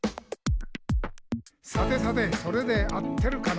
「さてさてそれであってるかな？」